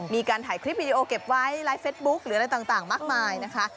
มีการถ่ายคลิปวิดีโอเก็บไว้ไลฟ์เฟสบุ๊คหรืออะไรต่างมากมายนะคะ